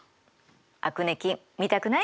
アクネ菌見たくない？